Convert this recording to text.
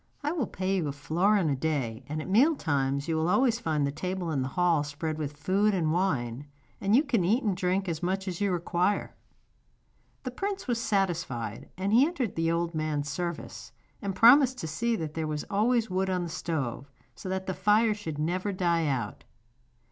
I will pay you a florin a day, and at meal times you will always find the table in the hall spread with food and wine, and you can eat and drink as much as you require.' The prince was satisfied, and he entered the old man's service, and promised to see that there was always wood on the stove, so that the fire should never die out.